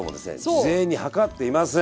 事前に量っていません。